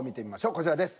こちらです。